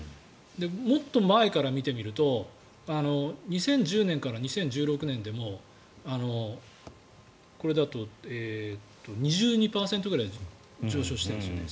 もっと前から見てみると２０１０年から２０１６年でもこれだと２２％ぐらい上昇してるんですよね。